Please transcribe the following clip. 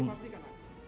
bisa dipastikan ya